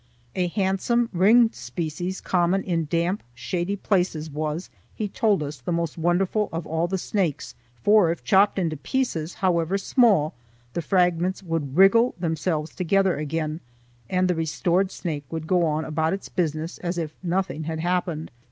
A handsome ringed species common in damp, shady places was, he told us, the most wonderful of all the snakes, for if chopped into pieces, however small, the fragments would wriggle themselves together again, and the restored snake would go on about its business as if nothing had happened.